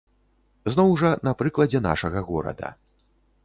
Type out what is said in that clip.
Зноў жа на прыкладзе нашага горада.